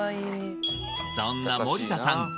そんな盛田さん